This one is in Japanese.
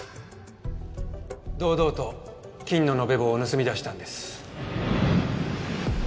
堂々と金の延べ棒を盗み出したんです。